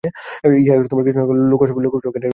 ইহা কৃষ্ণনগর লোকসভা কেন্দ্রের অন্তর্গত।